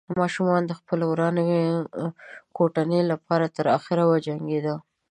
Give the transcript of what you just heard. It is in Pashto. ماشوم د خپلې ورانې کوټنۍ له پاره تر اخره وجنګېده.